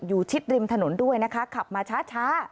ชิดริมถนนด้วยนะคะขับมาช้า